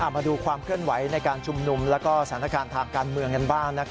มาดูความเคลื่อนไหวในการชุมนุมและสถานการณ์ทางการเมืองกันบ้าง